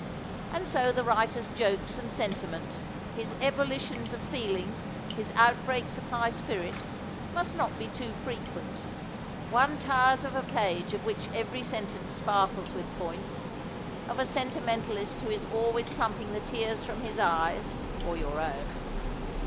And so the writer's jokes and senti ment, his ebullitions of feeling, his outbreaks of high spirits, must not be too frequent. One tires of a page of which every sentence sparkles with points, of a sentimentalist who is always pumping the tears from his eyes or your own.